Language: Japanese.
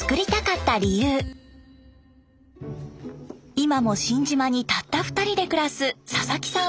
今も新島にたった２人で暮らす佐々木さん